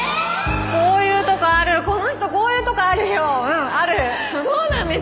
こういうとこあるこの人こういうとこあるようんあるそうなんですか？